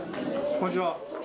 こんにちは。